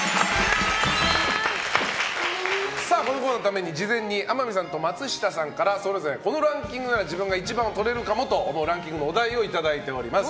このコーナーのために事前に天海さんと松下さんからそれぞれ、このランキングなら自分が１番をとれるかもと思うランキングのお題をいただいております。